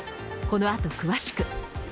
このあと詳しく。